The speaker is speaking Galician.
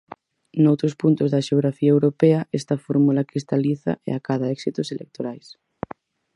Noutros puntos da xeografía europea esta fórmula cristaliza e acada éxitos electorais.